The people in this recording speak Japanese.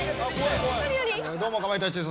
どうもかまいたちです。